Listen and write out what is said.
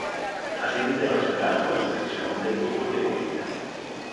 Ha sido internacional con la selección de fútbol de Bolivia.